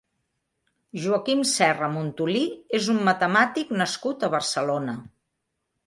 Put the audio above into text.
Joaquim Serra Montolí és un metemàtic nascut a Barcelona.